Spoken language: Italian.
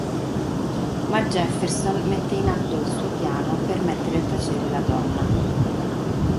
Ma Jefferson mette in atto il suo piano per mettere a tacere la donna.